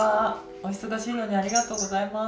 お忙しいのにありがとうございます。